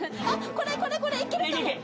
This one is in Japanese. あこれこれこれいけるかも！